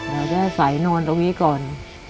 เราได้ใส่นอนตรงนี้ก่อน